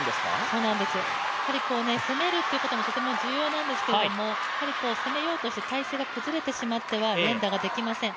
そうなんです、やはり攻めるってこともとても重要なんですけど攻めようとして体勢が崩れてしまっては連打ができません。